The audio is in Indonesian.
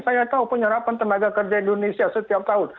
saya tahu penyerapan tenaga kerja indonesia setiap tahun